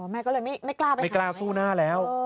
แม่ก็เลยไม่กล้าไปไม่กล้าสู้หน้าแล้ว